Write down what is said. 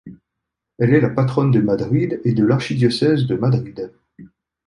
Elle est la patronne de Madrid et de l'archidiocèse de Madrid.